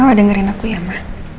mama dengerin aku ya ma